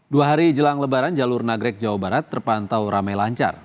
dua hari jelang lebaran jalur nagrek jawa barat terpantau ramai lancar